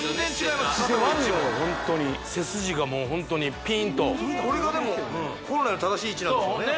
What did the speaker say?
ホントに背筋がもうホントにピーンとこれがでも本来の正しい位置なんですよね